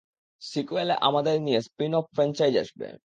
সিক্যুয়েলে আমাদেরকে নিয়ে spin off franchise আসবে!